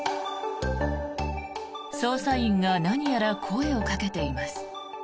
捜査員が何やら声をかけています。